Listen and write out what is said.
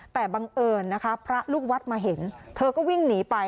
แต่บังเอิญนะคะพระลูกวัดมาเห็นเธอก็วิ่งหนีไป